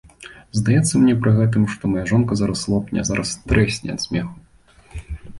Здаецца мне пры гэтым, што мая жонка зараз лопне, зараз трэсне ад смеху.